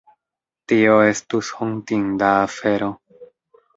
Tio estus hontinda afero.